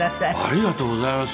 ありがとうございます。